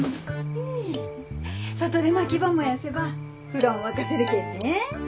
外でまきば燃やせば風呂ん沸かせるけんね。